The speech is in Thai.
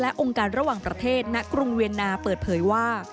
องค์การระหว่างประเทศณกรุงเวียนนาเปิดเผยว่า